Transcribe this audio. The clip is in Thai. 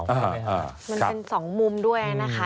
มันเป็นสองมุมด้วยนะคะ